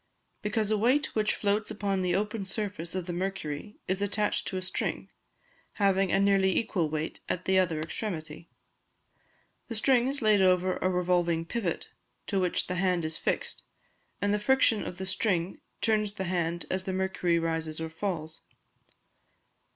_ Because a weight which floats upon the open surface of the mercury is attached to a string, having a nearly equal weight at the other extremity; the string is laid over a revolving pivot, to which the hand is fixed, and the friction of the string turns the hand as the mercury rises or falls.